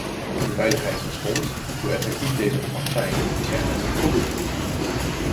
Een veiligheidsrespons, hoe effectief deze ook mag zijn, is echter niet voldoende.